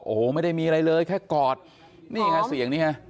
โอ้โหไม่ได้มีอะไรเลยแค่กอดนี่ค่ะเสียงนี้ไง